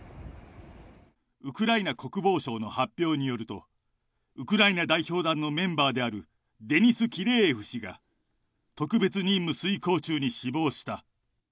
ウクライナ国防省の発表によると、ウクライナ代表団のメンバーであるデニス・キレーエフ氏が、特別任務遂行中に死亡した。